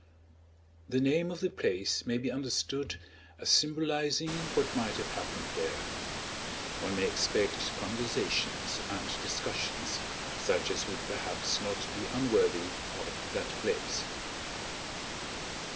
The name of the place may be understood as symbolizing what might have happened there; one may expect conversations and discussions such as would perhaps not be unworthy of that place.